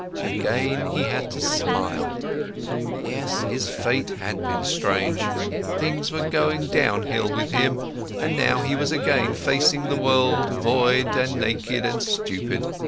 Again, he had to smile. Yes, his fate had been strange! Things were going downhill with him, and now he was again facing the world void and naked and stupid.